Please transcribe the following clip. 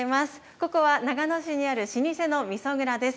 ここは長野市にある老舗のみそ蔵です。